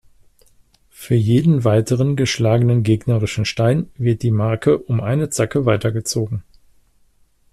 Für jeden weiteren geschlagenen gegnerischen Stein wird die Marke um eine Zacke weitergezogen.